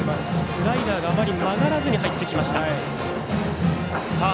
スライダーがあまり曲がらずに入ってきました。